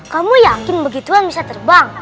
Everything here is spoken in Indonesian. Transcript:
kamu yakin begitu kan bisa terbang